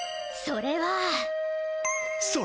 それは？